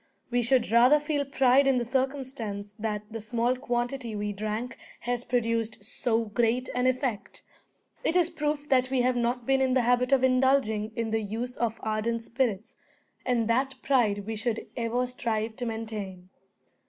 "We should rather feel pride in the circumstance that the small quantity we drank has produced so great an effect. It is proof that we have not been in the habit of indulging in the use of ardent spirits, and that pride we should ever strive to maintain."